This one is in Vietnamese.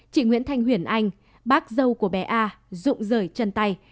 chị nguyễn thanh huyền anh bác dâu của bé a rụng rời chân tay